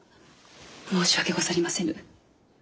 申し訳ござりませぬ。